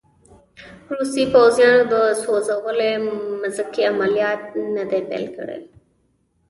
روسي پوځیانو د سوځولې مځکې عملیات نه دي پیل کړي.